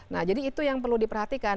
nah jadi itu yang perlu diperhatikan